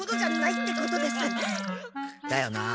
だよな。